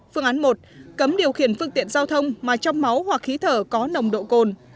phương án một cấm điều khiển phương tiện giao thông mà trong máu hoặc khí thở có nồng độ cồn